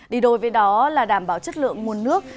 đi đổi về đó là đảm bảo chất lượng nguồn nước